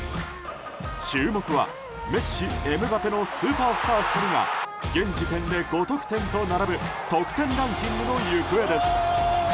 注目はメッシ、エムバペのスーパースター２人が現時点で５得点と並ぶ得点ランキングの行方です。